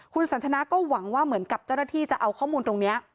คุณสันทนาก็หวังว่าเหมือนกับเจ้าหน้าที่จะเอาข้อมูลตรงนี้